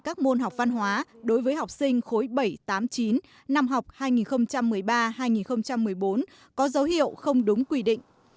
các môn học văn hóa đối với học sinh khối bảy trăm tám mươi chín năm học hai nghìn một mươi ba hai nghìn một mươi bốn có dấu hiệu không đúng quy định